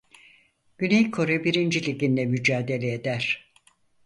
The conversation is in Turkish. Güney Kore birinci Ligi'nde mücadele eder.